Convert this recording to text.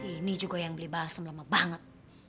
ini juga yang beli bahasa lama banget